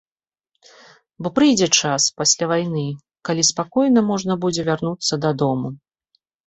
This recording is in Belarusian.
Бо прыйдзе час, пасля вайны, калі спакойна можна будзе вярнуцца дадому.